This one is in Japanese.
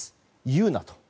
言うなと。